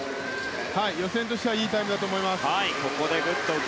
予選としてはいいタイムだと思います。